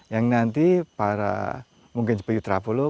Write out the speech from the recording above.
yang nanti para mungkin seperti travelop